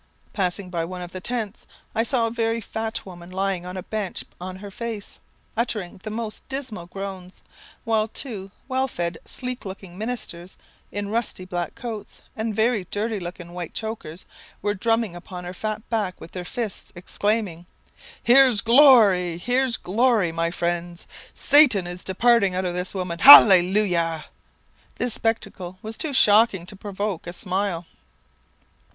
"Passing by one of the tents, I saw a very fat woman lying upon a bench on her face, uttering the most dismal groans, while two well fed, sleek looking ministers, in rusty black coats and very dirty looking white chokers, were drumming upon her fat back with their fists, exclaiming 'Here's glory! here's glory, my friends! Satan is departing out of this woman. Hallelujah!' This spectacle was too shocking to provoke a smile.